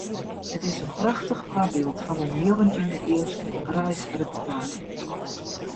It is in prachtich foarbyld fan in njoggentjinde-iuwske reisreportaazje.